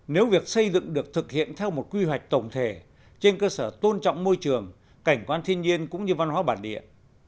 nếu việc xây dựng được thực hiện theo một quy hoạch tổng thể trên cơ sở tôn trọng môi trường cảnh quan thiên nhiên cũng như văn hóa bản địa